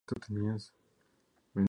Castro Barros –Av.